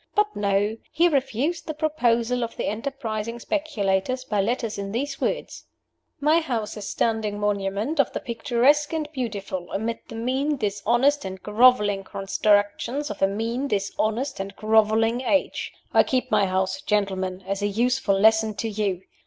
But no! He refused the proposal of the enterprising speculators by letter in these words: 'My house is a standing monument of the picturesque and beautiful, amid the mean, dishonest, and groveling constructions of a mean, dishonest, and groveling age. I keep my house, gentlemen, as a useful lesson to you.